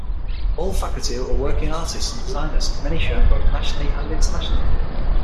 All faculty are working artists and designers, many showing both nationally and internationally.